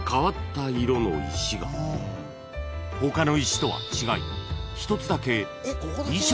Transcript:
［他の石とは違い一つだけ］